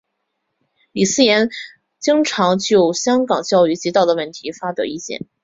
李偲嫣经常就香港教育及道德问题发表意见。